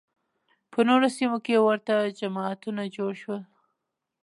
په نورو سیمو کې ورته جماعتونه جوړ شول